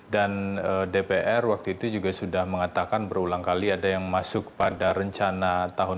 dan dpr waktu itu juga sudah mengatakan berulang kali ada yang masuk pada rencana tahun dua ribu tujuh belas